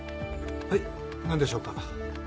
はい何でしょうか。